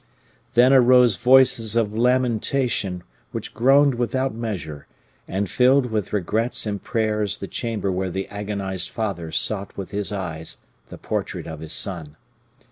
Then arose voices of lamentation, which groaned without measure, and filled with regrets and prayers the chamber where the agonized father sought with his eyes the portrait of his son.